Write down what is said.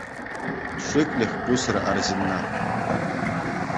Шиклӗх пусрӗ арҫынна.